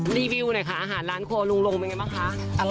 รีวิวไหนคะอาหารร้านครัวลูงลงเป็นอย่างไรบ้างคะ